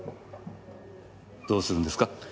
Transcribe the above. どうするんですか？